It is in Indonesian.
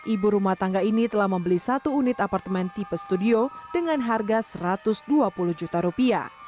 ibu rumah tangga ini telah membeli satu unit apartemen tipe studio dengan harga rp satu ratus dua puluh juta rupiah